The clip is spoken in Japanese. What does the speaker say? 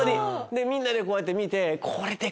みんなでこうやって見て。